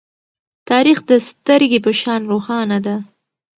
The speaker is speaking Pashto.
تاریخ د سترگې په شان روښانه ده.